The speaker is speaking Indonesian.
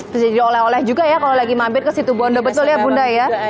bisa jadi oleh oleh juga ya kalau lagi mampir ke situ bondo betul ya bunda ya